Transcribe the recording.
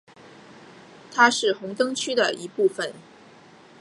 它是红灯区的一部分。